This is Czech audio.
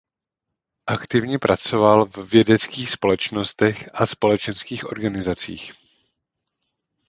Aktivně pracoval v vědeckých společnostech a společenských organizacích.